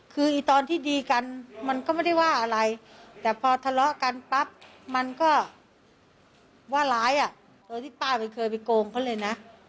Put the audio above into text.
คือตอนที่ดีกันมันก็ไม่ได้ว่าอะไรแต่พอทะเลาะกันปั๊บมันก็ว่าร้ายอ่ะโดยที่ป้าเคยไปโกงเขาเลยนะ